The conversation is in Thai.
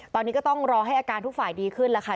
ตอนนี้ก็ต้องรอให้อาการทุกฝ่ายดีขึ้นแล้วค่ะ